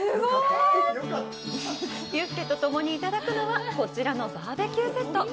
ビュッフェとともにいただくのはこちらのバーベキューセット